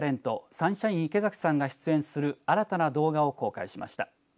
サンシャイン池崎さんが出演する新たな動画を公開しました。